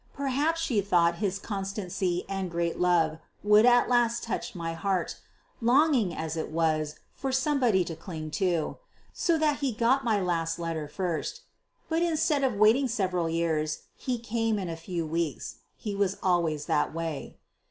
Perhaps she thought his constancy and great love would at last touch my heart, longing as it was for somebody to cling to. So that he got my last letter first. But instead of waiting several years, he came in a few weeks. He was always that way.